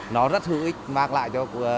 nó rất hữu ích mang lại cho